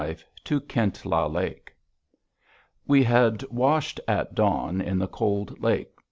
V TO KINTLA LAKE We had washed at dawn in the cold lake.